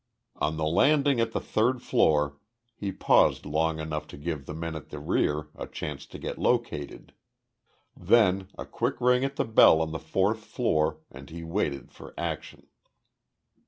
On the landing at the third floor he paused long enough to give the men at the rear a chance to get located. Then a quick ring at the bell on the fourth floor and he waited for action.